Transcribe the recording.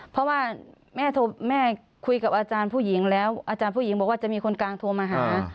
เพราะว่าแม่คุยกับอาจารย์ผู้หญิงแล้วอาจารย์ผู้หญิงบอกว่าจะมีคนกลางโทรมาหา